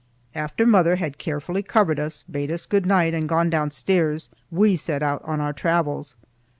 After mother had carefully covered us, bade us good night and gone downstairs, we set out on our travels.